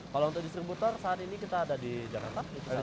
kalau untuk distributor saat ini kita ada di jakarta